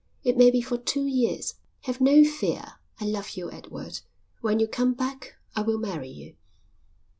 It may be for two years." "Have no fear. I love you, Edward. When you come back I will marry you."